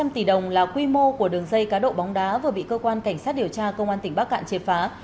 ba trăm linh tỷ đồng là quy mô của đường dây cá độ bóng đá vừa bị cơ quan cảnh sát điều tra công an tỉnh bắc cạn chiếm phá